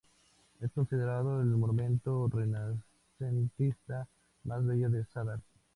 Es considerado el monumento renacentista más bello de Zadar.